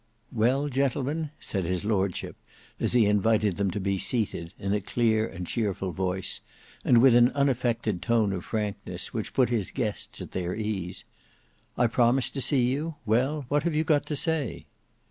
"Well, gentlemen," said his lordship, as he invited them to be seated, in a clear and cheerful voice, and with an unaffected tone of frankness which put his guests at their ease; "I promised to see you; well, what have you got to say?"